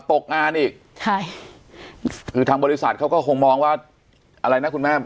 ตกงานอีกใช่คือทางบริษัทเขาก็คงมองว่าอะไรนะคุณแม่